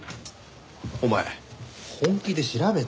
お前本気で調べたの？